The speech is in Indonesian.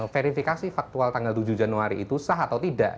verifikasi faktual tanggal tujuh januari itu sah atau tidak